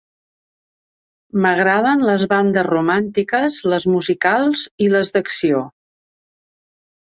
M'agraden les bandes romàntiques, les musicals i les d'acció.